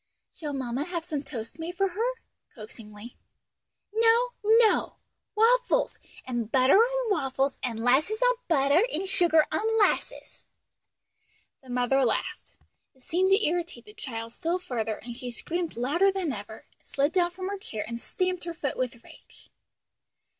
"Shall mamma have some toast made for her?" (coaxingly). "No, no! waffles! and butter on waffles, and 'lasses on butter, and sugar on 'lasses!" The mother laughed. It seemed to irritate the child still further; and she screamed louder than ever, slid down from her chair and stamped her foot with rage.